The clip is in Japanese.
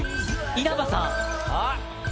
稲葉さん！